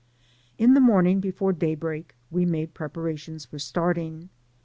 In the moniing, before daybreak, we made pre parations for starting.